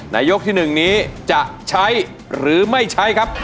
ยกที่๑นี้จะใช้หรือไม่ใช้ครับ